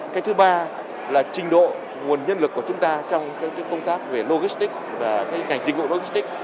cái thứ ba là trình độ nguồn nhân lực của chúng ta trong công tác về logistics và ngành dịch vụ logistics